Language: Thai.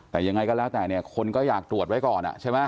แต่ยังไงก็แล้วแต่เนี่ยคนก็อยากตรวจไว้ก่อนใช่ไหม